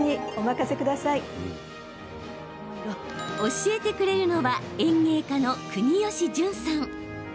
教えてくれるのは園芸家の国吉純さん。